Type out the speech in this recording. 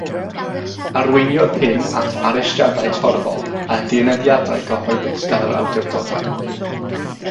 Arweiniodd hyn at arestiadau torfol a dienyddiadau cyhoeddus gan yr awdurdodau.